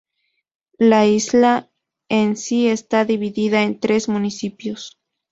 La isla en sí está dividida en tres municipios.